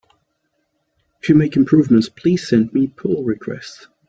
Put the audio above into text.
If you make improvements, please send me pull requests!